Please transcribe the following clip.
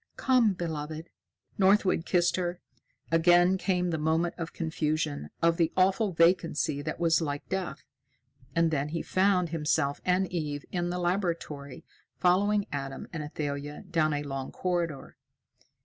"Come, beloved." Northwood kissed her. Again came the moment of confusion, of the awful vacancy that was like death, and then he found himself and Eve in the laboratory, following Adam and Athalia down a long corridor.